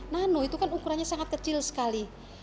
nano itu kan ukurannya sangat kecil sekali